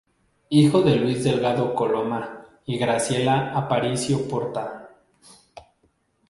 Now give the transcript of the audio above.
Hijo de Luis Delgado Coloma y Graciela Aparicio-Porta.